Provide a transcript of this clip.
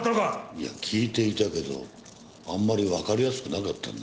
いや聞いていたけどあんまりわかりやすくなかったな。